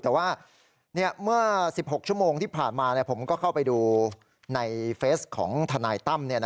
แต่ว่าเมื่อ๑๖ชั่วโมงที่ผ่านมาผมก็เข้าไปดูในเฟสของทนายตั้ม